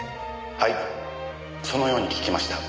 はいそのように聞きました。